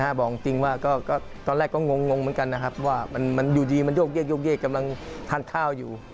บอกจริงว่าก็ตอนแรกก็งงเหมือนกันนะครับว่ามันอยู่ดีมันโยกเยกกำลังทานข้าวอยู่